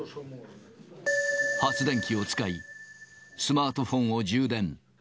発電機を使い、スマートフォンを充電。